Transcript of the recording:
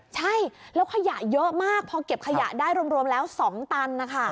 ใช่แล้วขยะเยอะมากพอเก็บขยะได้รวมแล้ว๒ตันนะคะ